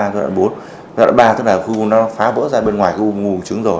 giai đoạn ba tức là khu nó phá vỡ ra bên ngoài khu ung thư buồng trứng rồi